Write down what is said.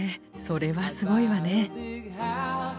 それはすごいわね。